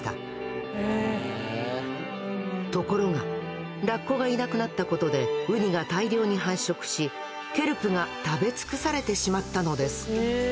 ところがラッコがいなくなったことでウニが大量に繁殖しケルプが食べ尽くされてしまったのです